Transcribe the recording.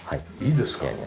いいですか？